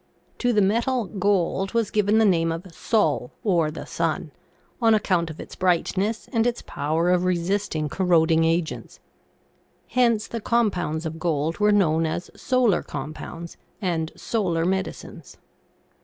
To the metal gold was given the name of Sol, or the sun, on account of its brightness and its power of resisting corroding agents ; hence the compounds of gold were known as solar compounds and solar medicines.